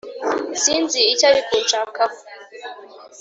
sinzi icyo ari kunshakaho